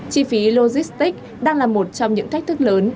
chi phí logistics đang là một trong những thách thức lớn